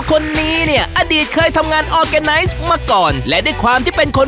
ก็มีที่สำยานิทาวน์